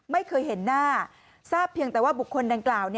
ไม่เคยเห็นหน้าทราบเพียงแต่ว่าบุคคลดังกล่าว